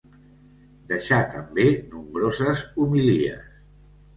Deixà també nombroses homilies.